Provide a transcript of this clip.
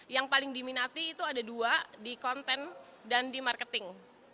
yang paling diminati itu ada dua di konten dan di marketing